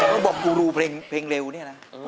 ก็บอกกูรูเพลงเร็วเนี่ยนะ